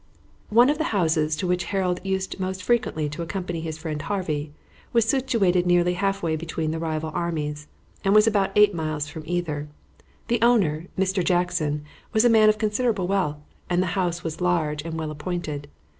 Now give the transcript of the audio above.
One of the houses to which Harold used most frequently to accompany his friend Harvey was situated nearly halfway between the rival armies, and was about eight miles from either. The owner Mr. Jackson was a man of considerable wealth, and the house was large and well appointed.